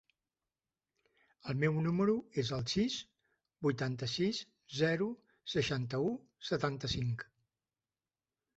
El meu número es el sis, vuitanta-sis, zero, seixanta-u, setanta-cinc.